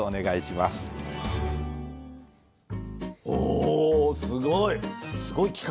おすごい！